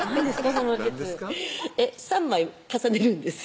その術３枚重ねるんですよ